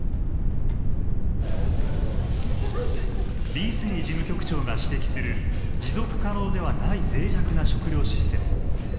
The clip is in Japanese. ビーズリー事務局長が指摘する持続可能ではない脆弱な食料システム。